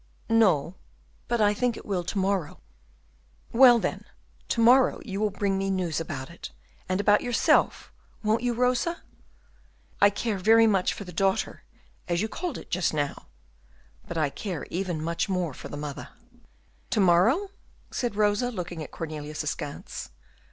"No, but I think it will to morrow." "Well, then, to morrow you will bring me news about it, and about yourself, won't you, Rosa? I care very much for the daughter, as you called it just now, but I care even much more for the mother." "To morrow?" said Rosa, looking at Cornelius askance.